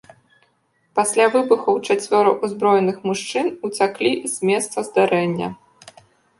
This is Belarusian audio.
Пасля выбухаў чацвёра ўзброеных мужчын уцяклі з месца здарэння.